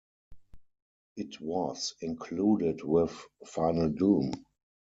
It was included with "Final Doom".